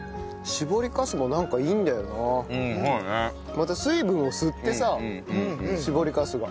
また水分を吸ってさ搾りかすが。